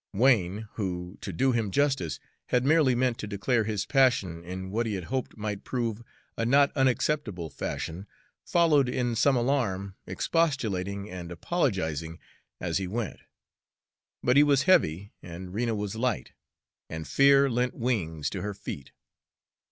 Wain who, to do him justice, had merely meant to declare his passion in what he had hoped might prove a not unacceptable fashion followed in some alarm, expostulating and apologizing as he went. But he was heavy and Rena was light, and fear lent wings to her feet.